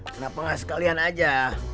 kenapa gak sekalian aja